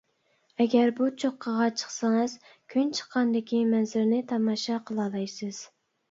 ئەگەر بۇ چوققىغا چىقسىڭىز، كۈن چىققاندىكى مەنزىرىنى تاماشا قىلالايسىز.